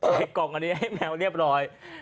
เอากล่องแมวอย่างนี้ให้เรียบร้อย